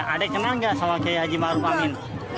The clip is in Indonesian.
adek kenal nggak sama kiai haji maruf amin